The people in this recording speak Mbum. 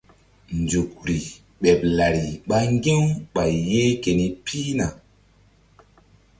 Nzukri ɓeɓ lari ɓa ŋgi̧-u ɓay yeh keni pihna.